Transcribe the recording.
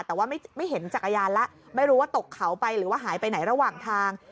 แต่ว่าไม่เห็นจักรยานแล้วไม่รู้ว่าตกเขาไปหรือว่าหายไปไหนระหว่างทาง